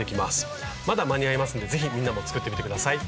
まだ間に合いますんでぜひみんなも作ってみて下さい。